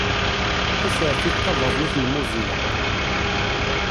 Tasertit tabaḍnit n Mozilla.